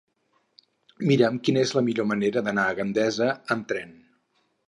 Mira'm quina és la millor manera d'anar a Gandesa amb tren.